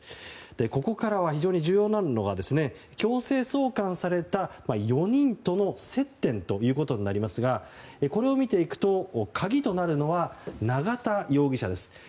ここから非常に重要になるのが強制送還された４人との接点ということになりますがこれを見ていくと鍵となるのは永田容疑者です。